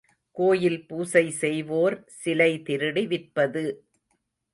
கோயில் பூசை செய்வோர் சிலை திருடி விற்பது!